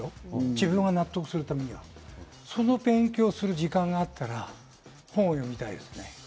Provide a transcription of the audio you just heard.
自分が納得するためにはその勉強する時間があったら本を読みたいですね。